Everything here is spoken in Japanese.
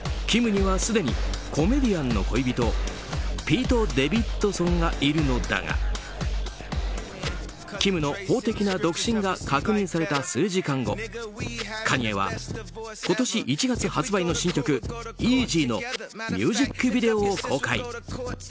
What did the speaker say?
キムにはすでにコメディアンの恋人ピート・デヴィッドソンがいるのだがキムの法的な独身が確認された数時間後カニエは今年１月発売の新曲「Ｅａｚｙ」のミュージックビデオを公開。